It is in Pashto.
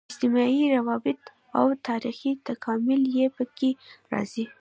اجتماعي روابط او تاریخي تکامل یې په کې راځي.